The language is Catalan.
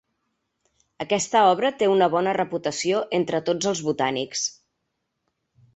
Aquesta obra té una bona reputació entre tots els botànics.